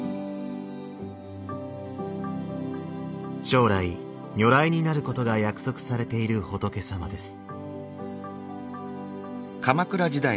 将来如来になることが約束されている仏様です。